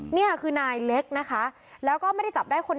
นี่คือนายเล็กนะคะแล้วก็ไม่ได้จับได้คน